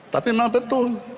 tapi memang betul